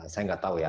saya enggak tahu ya